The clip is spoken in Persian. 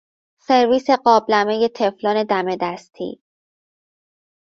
سرویس قابلمه تفلون دم دستی